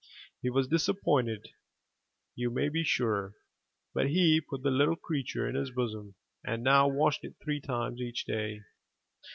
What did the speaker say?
He was disappointed, you may be sure, but he put the little creature in his bosom, and now washed it three times each day.